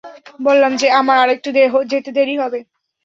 বললাম যে আমার আরেকটু যেতে দেরি হবে।